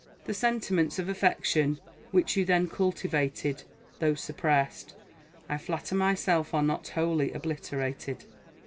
The sentiments of affection which you then cultivated, though suppressed, I flatter myself are not wholly obliterated.